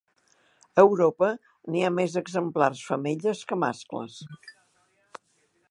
A Europa n'hi ha més exemplars femelles que mascles.